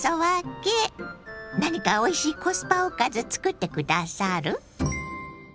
何かおいしいコスパおかずつくって下さる？